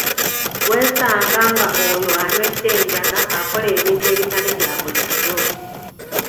Weesanga nga oyo anywedde enjaga akola ebintu ebitali bya bulijjo.